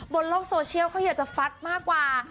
บนโลกโซเชียลเขาอยากจะฟัดมากกว่า